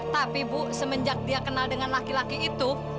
tapi bu semenjak dia kenal dengan laki laki itu